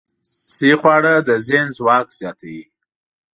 صحي خواړه د ذهن ځواک زیاتوي.